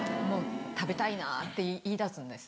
食べたいなって言いだすんですよ。